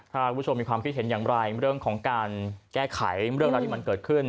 ถ้าคุณผู้ชมมีความคิดเห็นอย่างไรเรื่องของการแก้ไขเรื่องราวที่มันเกิดขึ้น